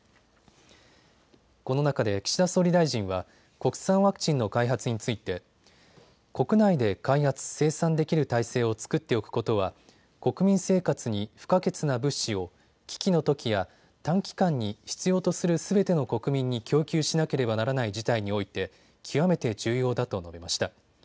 この中で岸田総理大臣は国産ワクチンの開発について国内で開発、生産できる体制を作っておくことは国民生活に不可欠な物資を危機のときや短期間に必要とするすべての国民に供給しなければならない事態において極めて重要だと述べました。